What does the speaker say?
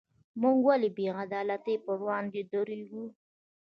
موږ ولې د بې عدالتۍ پر وړاندې دریږو؟